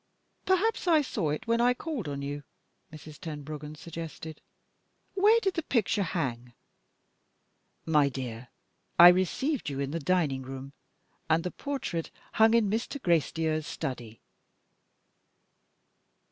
"Perhaps I saw it when I called on you," Mrs. Tenbruggen suggested. "Where did the picture hang?" "My dear! I received you in the dining room, and the portrait hung in Mr. Gracedieu's study."